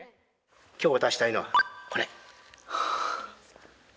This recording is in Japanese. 今日わたしたいのはこれ。